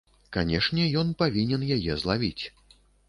Канешне, ён павінен яе злавіць.